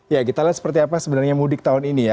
ya kita lihat seperti apa sebenarnya mudik tahun ini ya